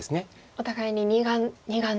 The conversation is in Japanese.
お互いに２眼２眼で。